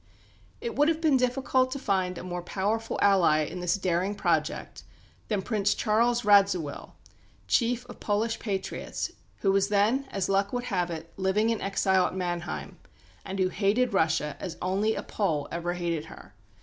It would have been difficult to find a more powerful ally in this daring project than Prince Charles Radziwill, chief of Polish patriots, who was then, as luck would have it, living in exile at Mannheim, and who hated Russia as only a Pole ever hated her.